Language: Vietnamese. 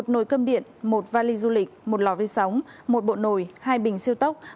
một nồi cơm điện một vali du lịch một lò vây sóng một bộ nồi hai bình siêu tốc